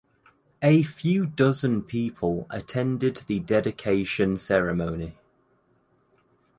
A few dozen people attended the dedication ceremony.